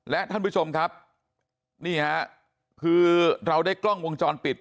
และท่านผู้ชมครับนี่ฮะคือเราได้กล้องวงจรปิด